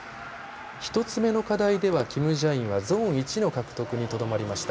１つ目の課題ではキム・ジャインはゾーン１の獲得にとどまりました。